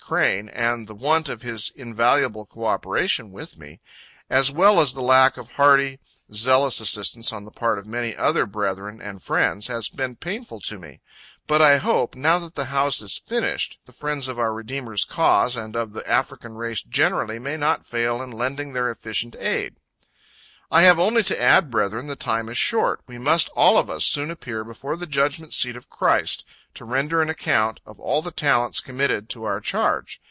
Crane,[A] and the want of his invaluable co operation with me, as well as the lack of hearty, zealous assistance on the part of many other brethren and friends, has been painful to me. But I hope, now that the house is finished, the friends of our Redeemer's cause and of the African race generally, may not fail in lending their efficient aid. [Footnote A: Died March 31, 1857. See Memoir of Southern Baptist Publication Society.] I have only to add, brethren, "the time is short;" we must all of us soon appear before the judgment seat of Christ, to render an account of all the talents committed to our charge.